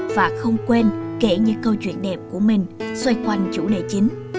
và không quên kể những câu chuyện đẹp của mình xoay quanh chủ đề chính